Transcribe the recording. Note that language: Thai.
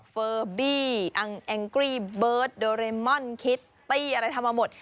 เฟอร์บี้อังแองกรีเบิร์ตโดเรมอนคิตตี้อะไรทำมาหมด